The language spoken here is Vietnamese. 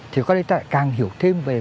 thì có lẽ ta lại càng hiểu thêm về